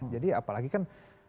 jadi apalagi kan